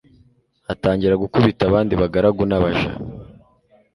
atangira gukubita abandi bagaragu n'abaja